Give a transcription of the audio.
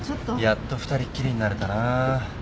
やっと二人っきりになれたなあ。